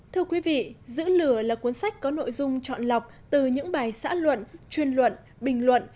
thưa quý vị giữ lửa là cuốn sách có nội dung chọn lọc từ những bài xã luận chuyên luận bình luận